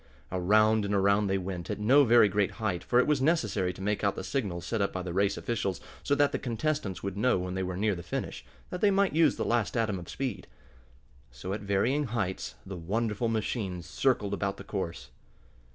Around and around they went, at no very great height, for it was necessary to make out the signals set up by the race officials, so that the contestants would know when they were near the finish, that they might use the last atom of speed. So at varying heights the wonderful machines circled about the course.